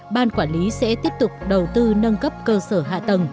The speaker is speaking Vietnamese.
ban quản lý sẽ tiếp tục đầu tư nâng cấp cơ sở hạ tầng